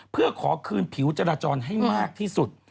เพื่อขอคืนผิวจราจรให้มากที่สุด